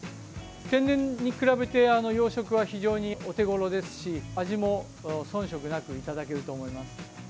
天然に比べ養殖は非常にお手ごろですし味も遜色なくいただけると思います。